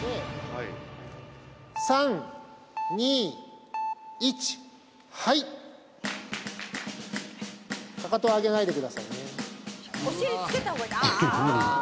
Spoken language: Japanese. ３２１はいかかとは上げないでくださいね